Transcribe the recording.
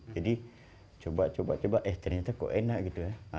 jadi coba coba eh ternyata kok enak gitu ya